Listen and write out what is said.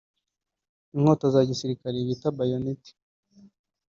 inkota za gisirikare bita bayoneti